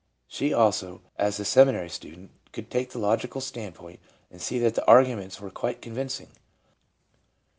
11 She also, as the seminary student, could take the logical standpoint, and see that the arguments were quite con vincing.